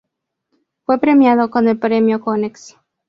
Fue premiado con el Premio Konex.